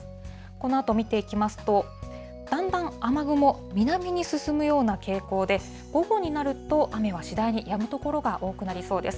このあと見ていきますと、だんだん雨雲、南に進むような傾向で、午後になると、雨は次第にやむ所が多くなりそうです。